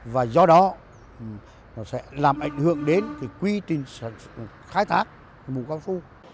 và do đó nó sẽ làm ảnh hưởng đến quy trình